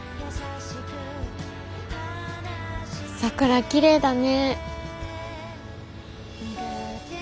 桜きれいだね。